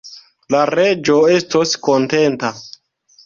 La Reĝo estos kontenta!